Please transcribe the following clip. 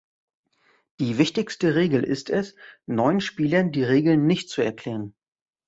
Die wichtigste Regel ist es, neuen Spielern die Regeln nicht zu erklären.